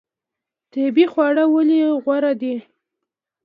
طبیعي خواړه ولې غوره دي؟